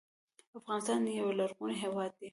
افغانستان یو لرغونی هیواد دی